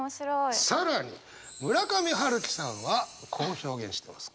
更に村上春樹さんはこう表現してます。